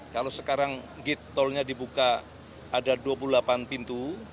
kalau sekarang gate tolnya dibuka ada dua puluh delapan pintu